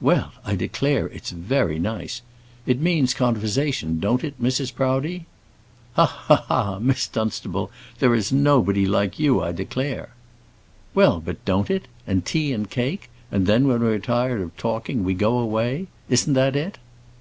"Well, I declare, it's very nice. It means conversation, don't it, Mrs. Proudie?" "Ha, ha, ha! Miss Dunstable, there is nobody like you, I declare." "Well, but don't it? and tea and cake? and then, when we're tired of talking, we go away, isn't that it?"